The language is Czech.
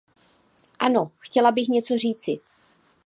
Ano, chtěla bych něco říci.